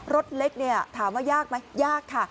รถเล็กถามว่ายากไหมยากค่ะ